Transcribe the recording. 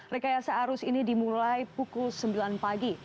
rekayasa arus ini dimulai pukul sembilan pagi